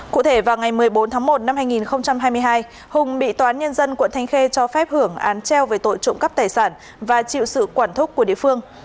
cụ thể vào ngày một mươi bốn tháng một năm hai nghìn hai mươi hai hùng bị toán nhân dân quận thanh khê cho phép hưởng án treo về tội trộm cắp tài sản và chịu sự quản thúc của địa phương